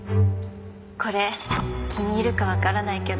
これ気に入るかわからないけど。